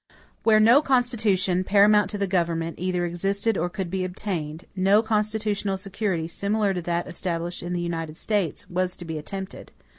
Where no Constitution, paramount to the government, either existed or could be obtained, no constitutional security, similar to that established in the United States, was to be attempted.